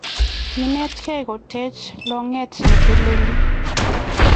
kenetkei ko ketech longet neteleli